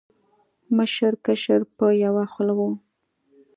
مشر، کشر په یو خوله و